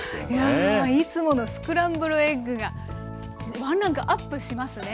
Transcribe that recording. いやいつものスクランブルエッグがワンランクアップしますね。